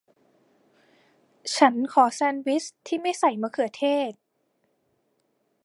ฉันขอแซนด์วิชที่ไม่ใส่มะเขือเทศ